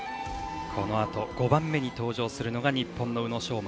このあと５番目に登場するのが日本の宇野昌磨。